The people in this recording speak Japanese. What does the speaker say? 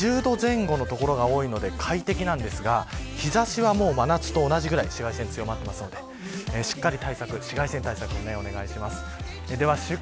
だいたい２０度前後の所が多いので快適ですが日差しは真夏と同じくらい紫外線が強まっているのでしっかり紫外線対策をお願いします。